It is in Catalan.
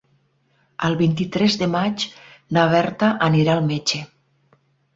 El vint-i-tres de maig na Berta anirà al metge.